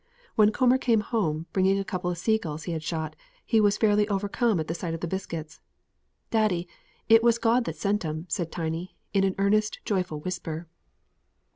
When Coomber came home, bringing a couple of sea gulls he had shot, he was fairly overcome at the sight of the biscuits. "Daddy, it was God that sent 'em," said Tiny, in an earnest, joyful whisper.